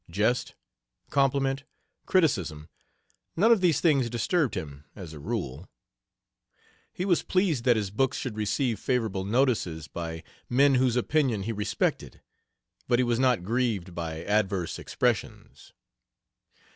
Jest, compliment, criticism none of these things disturbed him, as a rule. He was pleased that his books should receive favorable notices by men whose opinion he respected, but he was not grieved by adverse expressions.